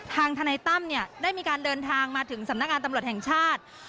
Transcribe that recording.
ทนายตั้มเนี่ยได้มีการเดินทางมาถึงสำนักงานตำรวจแห่งชาติ